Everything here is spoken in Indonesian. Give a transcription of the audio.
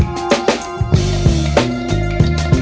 nggak ada yang denger